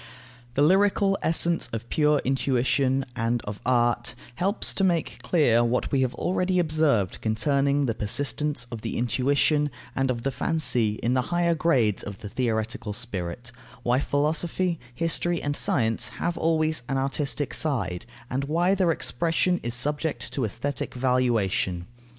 The lyrical essence of pure intuition, and of art, helps to make clear what we have already observed concerning the persistence of the intuition and of the fancy in the higher grades of the theoretical spirit, why philosophy, history, and science have always an artistic side, and why their expression is subject to aesthetic valuation.